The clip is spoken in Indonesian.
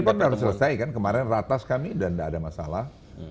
peripot sudah selesai kan kemarin ratas kami dan tidak ada masalah